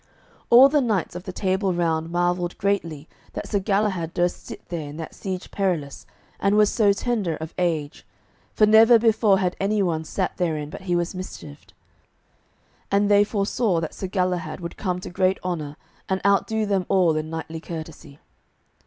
All the knights of the Table Round marvelled greatly that Sir Galahad durst sit there in that Siege Perilous, and was so tender of age; for never before had anyone sat therein but he was mischieved. And they foresaw that Sir Galahad would come to great honour, and outdo them all in knightly courtesy.